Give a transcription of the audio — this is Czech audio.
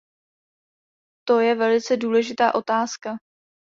To je velice důležitá otázka.